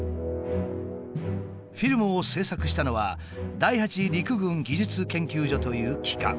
フィルムを製作したのは「第八陸軍技術研究所」という機関。